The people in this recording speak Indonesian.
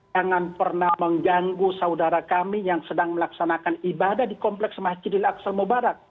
jangan pernah mengganggu saudara kami yang sedang melaksanakan ibadah di kompleks masjidil aqsal mubarak